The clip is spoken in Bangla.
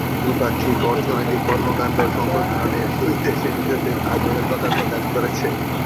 দ্বিপাক্ষিক অর্থনৈতিক কর্মকাণ্ড সম্প্রসারণে দুই দেশই নিজেদের আগ্রহের কথা প্রকাশ করেছে।